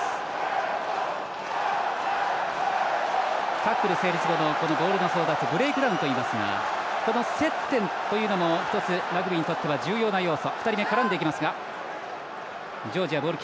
タックル成立後のボールの争奪ブレイクダウンといいますが接点というのも、一つラグビーにとっては重要な要素。